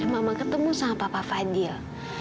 mama ketemu sama papa fadil